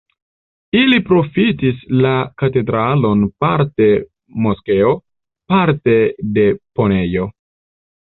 Ili profitis la katedralon parte moskeo, parte deponejo.